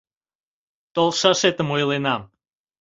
Толшашетым ойленам.